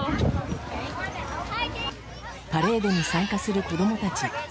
パレードに参加する子供たち。